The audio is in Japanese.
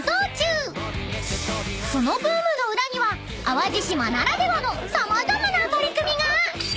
［そのブームの裏には淡路島ならではの様々な取り組みが］